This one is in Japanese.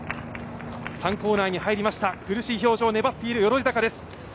３コーナーに入りました苦しい表情、粘っている鎧坂。